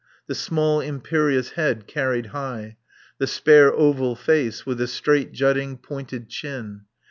The small imperious head carried high. The spare, oval face with the straight jutting, pointed chin.